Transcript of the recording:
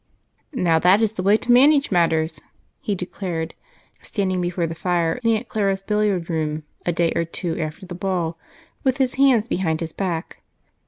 "Now, that is the way to manage matters," he declared, standing before the fire in Aunt Clara's billiard room a day or two after the ball, with his hands behind his back.